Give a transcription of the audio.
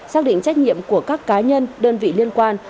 xác định trách nhiệm của các cá nhân đơn vị liên quan